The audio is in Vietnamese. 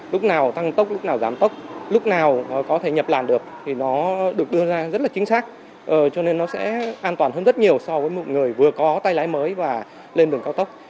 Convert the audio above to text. lúc nào tăng tốc lúc nào giảm tốc lúc nào nó có thể nhập làn được thì nó được đưa ra rất là chính xác cho nên nó sẽ an toàn hơn rất nhiều so với một người vừa có tay lái mới và lên đường cao tốc